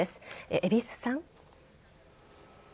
胡子さん。